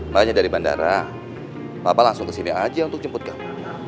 makanya dari bandara bapak langsung kesini aja untuk jemput kamu